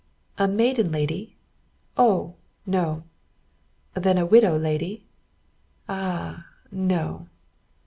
"A maiden lady?" "Oh, no!" "Then a widow lady?" "Ah, no!"